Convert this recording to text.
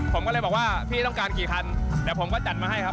ผมก็เลยบอกว่าพี่ต้องการกี่คันเดี๋ยวผมก็จัดมาให้ครับ